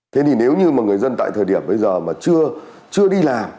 thế thì nếu như mà người dân tại thời điểm bây giờ mà chưa đi làm